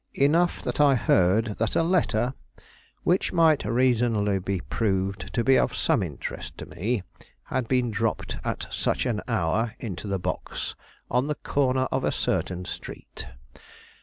"Enough that I heard that a letter, which might reasonably prove to be of some interest to me, had been dropped at such an hour into the box on the corner of a certain street.